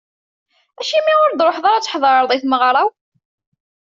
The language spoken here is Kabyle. Acimi ur d-truḥeḍ ara ad tḥedreḍ i tmeɣra-w?